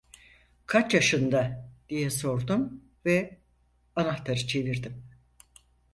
Kaç yaşında? diye sordum ve anahtarı çevirdim.